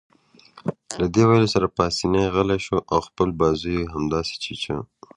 له دې ویلو سره پاسیني غلی شو او خپل بازو يې همداسې چیچه.